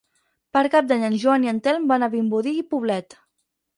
Per Cap d'Any en Joan i en Telm van a Vimbodí i Poblet.